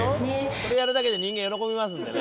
これやるだけで人間喜びますんでね。